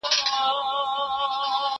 په دربار چي د سلطان سو ور دننه